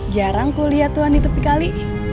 jarang ku liat tuhan di tepi kali